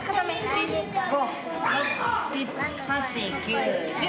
４５６７８９１０。